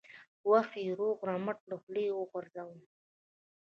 و هغه یې روغ رمټ له خولې وغورځاوه.